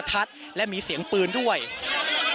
ไม่ทราบว่าตอนนี้มีการถูกยิงด้วยหรือเปล่านะครับ